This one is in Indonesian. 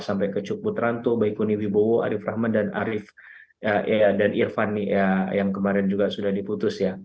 sampai ke cuk putranto baikuni wibowo arief rahman dan irfan yang kemarin juga sudah diputus ya